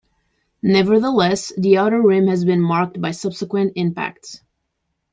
Nevertheless, the outer rim has been marked by subsequent impacts.